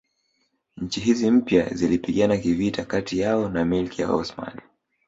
Nchi hizi mpya zilipigana kivita kati yao na Milki ya Osmani